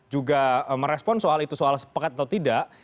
juga merespon soal itu soal sepakat atau tidak